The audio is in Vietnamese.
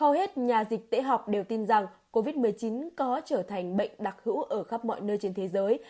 hầu hết nhà dịch tễ học đều tin rằng covid một mươi chín có trở thành bệnh đặc hữu ở khắp mọi nơi trên thế giới